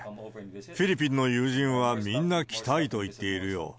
フィリピンの友人はみんな来たいと言っているよ。